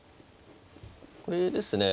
これですね